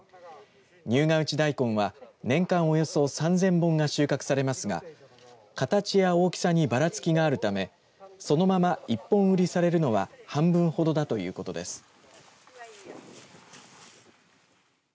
入河内大根は年間およそ３０００本が収穫されますが形や大きさにばらつきがあるためそのまま１本売りされるのは半分ほどということです。